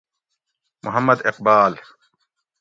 محمد اقبال